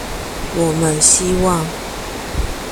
我們希望